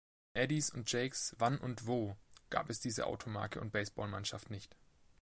In Eddies und Jakes „wann und wo“ gab es diese Automarke und Baseball-Mannschaft nicht.